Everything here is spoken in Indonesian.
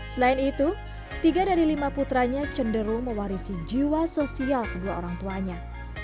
selain itu tiga dari lima putranya cenderung mewarisi jiwa sosial kedua orang tuanya